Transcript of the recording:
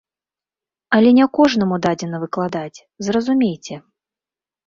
Але не кожнаму дадзена выкладаць, зразумейце.